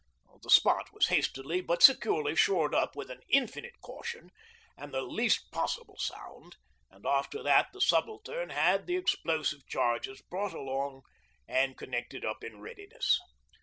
The spot was hastily but securely shored up with infinite caution and the least possible sound, and after that the Subaltern had the explosive charges brought along and connected up in readiness.